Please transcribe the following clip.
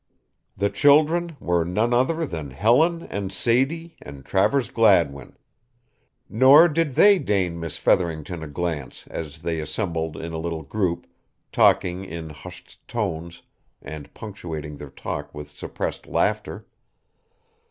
The children were none other than Helen and Sadie and Travers Gladwin. Nor did they deign Miss Featherington a glance as they assembled in a little group, talking in hushed tones and punctuating their talk with suppressed laughter.